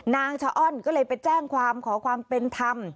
นางชะอ้อนก็เลยไปแจ้งความขอความเป็นธรรม